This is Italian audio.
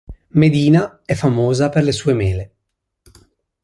Medina è famosa per le sue mele.